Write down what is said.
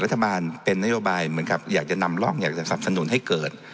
รัฐบาลเป็นนโยบายเหมือนกับอยากจะนำร่องอยากจะสับสนุนให้เกิด